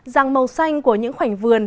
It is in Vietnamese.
rằng màu xanh của những khoảnh vườn